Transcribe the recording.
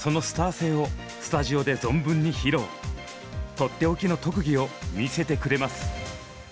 とっておきの特技を見せてくれます。